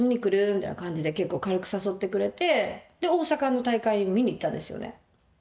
みたいな感じで結構軽く誘ってくれてで大阪の大会を見に行ったんですよね。